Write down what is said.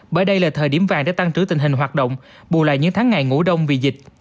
bởi đây là thời điểm vàng để tăng trữ tình hình hoạt động bù lại những tháng ngày ngủ đông vì dịch